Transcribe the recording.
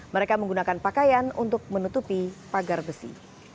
mereka menggunakan pakaian untuk menutupi pagar besi